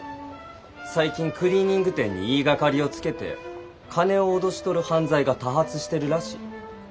最近クリーニング店に言いがかりをつけて金を脅し取る犯罪が多発してるらしい。